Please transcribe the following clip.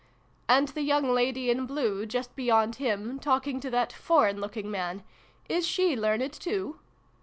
' And the young lady in blue, just beyond him, talking to that foreign looking man. Is she learned, too